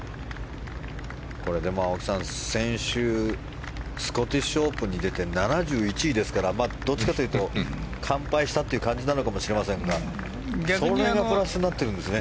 これ、青木さん、先週スコティッシュオープンに出て７１位ですからどっちかというと完敗したという感じなのかもしれませんがそんなプラスになってるんですね。